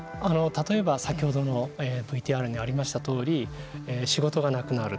例えば先ほどのＶＴＲにありましたとおり仕事がなくなる。